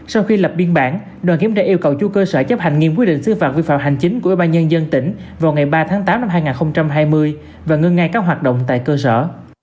sau khi lập biên bản đoàn kiểm tra yêu cầu chủ cơ sở chấp hành nghiêm quy định xứ phạt vi phạm hành chính của ủy ban nhân dân tỉnh vào ngày ba tháng tám năm hai nghìn hai mươi và ngưng ngay các hoạt động tại cơ sở